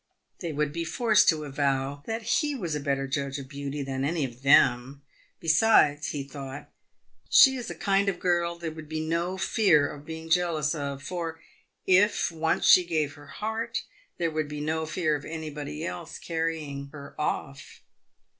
They would be forced to avow that he was a better judge of beauty than any of them. " Besides," he thought, " she is a kind of girl there would be no fear of being jealous of; for, if once she gave her heart, there would be no fear of anybody else carrying her off."